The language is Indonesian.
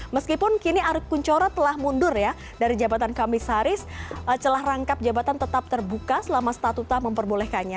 meskipun kini arik kunchoro telah mundur ya dari jabatan komisaris celah rangkap jabatan tetap terbuka selama statuta memperbolehkannya